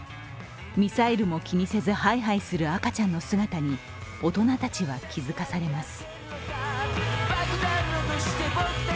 ミサイルも気にせずハイハイする赤ちゃんの姿に大人たちは気づかされます。